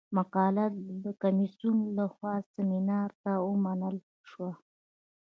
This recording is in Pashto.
مقاله د کمیسیون له خوا سیمینار ته ومنل شوه.